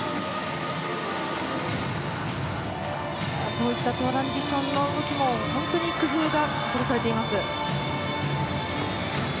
こういったトランジションの動きも本当に工夫が凝らされています。